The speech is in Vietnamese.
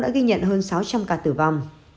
đã ghi nhận hơn sáu trăm linh ca tử vong